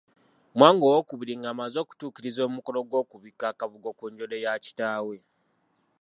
Mwanga II ng'amaze okutuukiriza omukolo ogw'okubikka akabugo ku njole ya kitaawe.